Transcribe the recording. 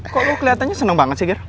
kok lo keliatannya seneng banget sih gier